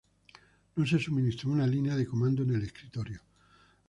No se suministra una línea de comando en el escritorio.